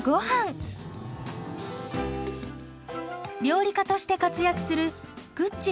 料理家として活躍するぐっち